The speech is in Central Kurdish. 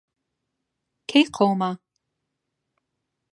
کەی قەوما؟